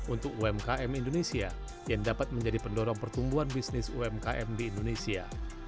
untuk umkm indonesia yang dapat menjadi pendorong pertumbuhan bisnis umkm di indonesia